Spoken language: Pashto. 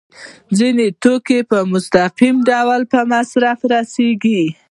ځینې توکي په مستقیم ډول په مصرف رسیږي.